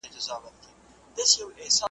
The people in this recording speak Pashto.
هوښیاران چي پر دې لار کړي سفرونه ,